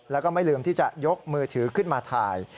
แล้วก็ไม่ลืมที่จะยกมือถือขึ้นมาถ่าย